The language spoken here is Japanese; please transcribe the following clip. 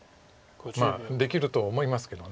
まあできると思いますけど。